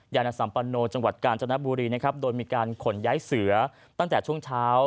ยานสัมปโนจังหวัดกาญจนบุรีนะครับโดยมีการขนย้ายเสือตั้งแต่ช่วงเช้า